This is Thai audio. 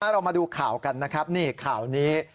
เรามาดูข่าวกันนะครับนี่ข่าวนี้